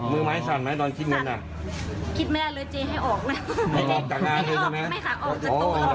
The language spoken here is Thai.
มือไม้สั่นไหมตอนคิดเงินอ่ะคิดไม่ได้เลยเจ๊ให้ออกเลยไม่ค่ะ